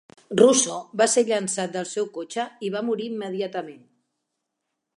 Russo va ser llençat del seu cotxe i va morir immediatament.